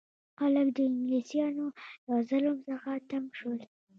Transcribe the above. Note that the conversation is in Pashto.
خلک د انګلیسانو له ظلم څخه تنګ شول.